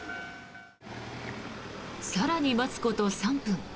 更に待つこと３分。